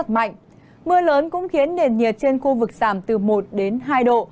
mưa lớn cũng khiến nền nhiệt trên khu vực giảm từ một đến hai độ